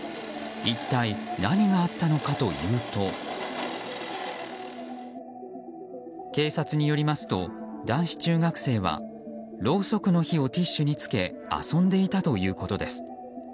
一体、何があったのかというと警察によりますと、男子中学生はろうそくの火をティッシュに付け遊んでいたということです。